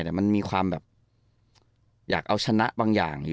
แต่มันมีความแบบอยากเอาชนะบางอย่าง